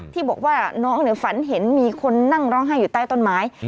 ที่บอกว่าน้องฝันเห็นมีคนนั่งร้องไห้อยู่ใต้ต้นไม้